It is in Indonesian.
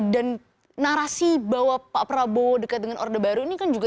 dan narasi bahwa pak prabowo dekat dengan order baru ini kan juga